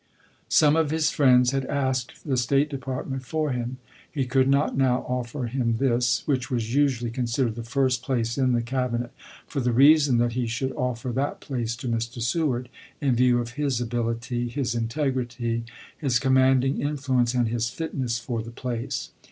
Some of his friends had asked the State Department for him. He could not now offer him this, which was usually considered the first place in the Cabinet, for the reason that he should offer that place to Mr. Seward, in view of his ability, his integrity, his commanding influence, and his fitness for the place.